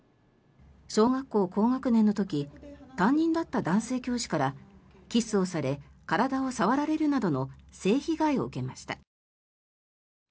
小学校高学年の時担任だった男性教師からキスをされ、体を触られるなどの性被害を受けました。